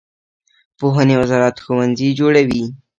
پوهنې وزارت ښوونځي جوړوي